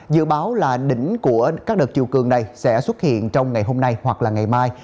dự báo là đỉnh của các đợt chiều cường này sẽ xuất hiện trong ngày hôm nay hoặc là ngày mai